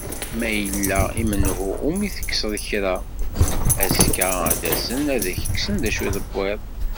Ma yella i menhu umi tekseḍ kra, azekka ad d-asen ad ak-ksen d acu tewwiḍ.